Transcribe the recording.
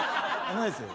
ないですよ。